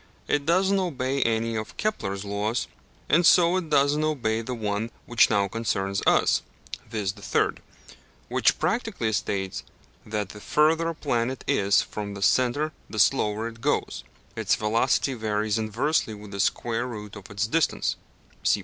It does not obey any of Kepler's laws, and so it does not obey the one which now concerns us, viz. the third; which practically states that the further a planet is from the centre the slower it goes; its velocity varies inversely with the square root of its distance (p.